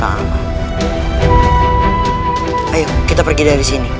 ayo kita pergi dari sini